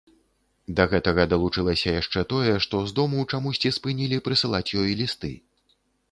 Да гэтага далучылася яшчэ тое, што з дому чамусьці спынілі прысылаць ёй лісты.